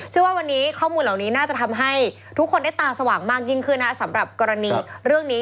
ว่าวันนี้ข้อมูลเหล่านี้น่าจะทำให้ทุกคนได้ตาสว่างมากยิ่งขึ้นนะสำหรับกรณีเรื่องนี้